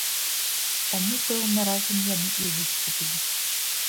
Таму, пэўна, разам яны і выступілі.